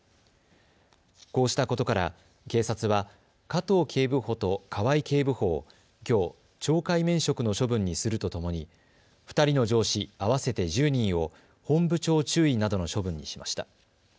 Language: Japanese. こうしたことから警察は加藤警部補と河合警部補をきょう、懲戒免職の処分にするとともに２人の上司合わせて１０人を本部長注意などの処分にしました。